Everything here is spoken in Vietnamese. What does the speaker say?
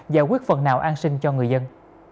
và quyết phần nào an sinh cho người dân